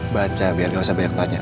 baca biar gak usah banyak tanya